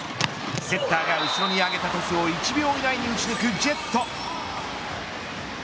セッターが後ろに上げたトスを１秒以内に打ち抜くジェット。